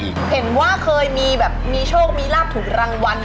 สินมันมากน้ำหอมมากทางนี้